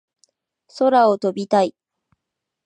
空を飛びたい